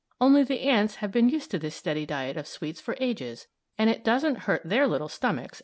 Only the ants have been used to this steady diet of sweets for ages, and it doesn't hurt their little stomachs as it would ours.